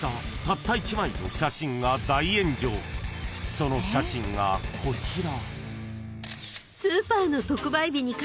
［その写真がこちら］